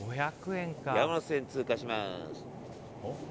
山手線、通過します。